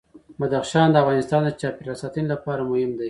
بدخشان د افغانستان د چاپیریال ساتنې لپاره مهم دي.